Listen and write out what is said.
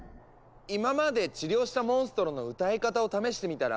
今まで治療したモンストロの歌い方を試してみたら？